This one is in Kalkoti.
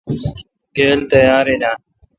گیل تیاراین آ؟